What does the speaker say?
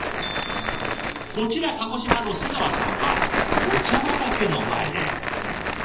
こちら鹿児島のせがわさんはお茶畑の前で。